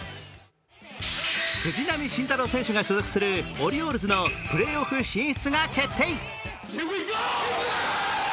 藤浪晋太郎投手が所属するオリオールズのプレーオフ進出が決定。